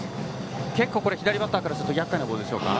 結構、左バッターからするとやっかいなボールでしょうか。